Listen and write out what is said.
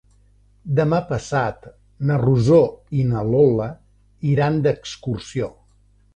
Demà passat na Rosó i na Lola iran d'excursió.